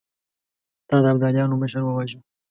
تا د ابداليانو مشر وواژه!